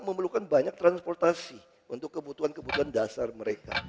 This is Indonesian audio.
memerlukan banyak transportasi untuk kebutuhan kebutuhan dasar mereka